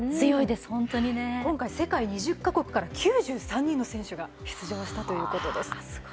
世界２０か国から、９３人の選手が、出場したということです。